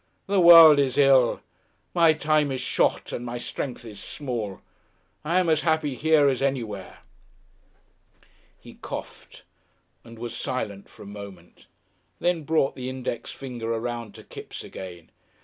The world is ill, my time is short and my strength is small. I'm as happy here as anywhere." He coughed and was silent for a moment, then brought the index finger around to Kipps again.